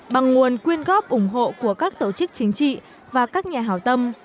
bằng nguồn quyên góp ủng hộ của các tổ chức chính trị và các nhà hào tâm